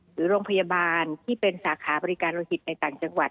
หรือโรงพยาบาลที่เป็นสาขาบริการโลหิตในต่างจังหวัด